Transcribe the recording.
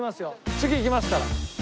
次いきますから。